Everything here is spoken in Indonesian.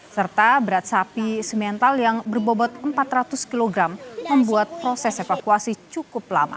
serta berat sapi semental yang berbobot empat ratus kg membuat proses evakuasi cukup lama